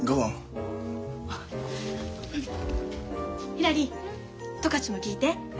ひらり十勝も聞いて。